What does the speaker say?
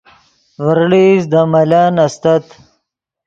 ڤرڑئیست دے ملن استت